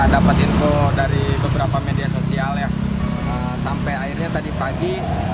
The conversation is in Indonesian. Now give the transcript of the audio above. dapat info dari beberapa media sosial ya sampai akhirnya tadi pagi